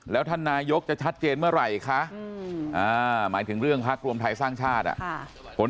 แล้วท่านนายกจะชัดเจนเมื่อไหร่คะหมายถึงเรื่องพักรวมไทยสร้างชาติ